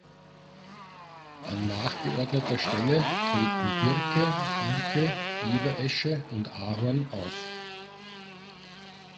An nachgeordneter Stelle treten Birke, Buche, Eberesche und Ahorn auf.